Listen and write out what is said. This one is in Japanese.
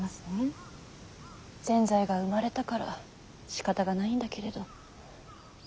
善哉が生まれたからしかたがないんだけれど。